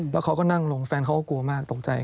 แล้วเขาก็นั่งลงแฟนเขาก็กลัวมากตกใจ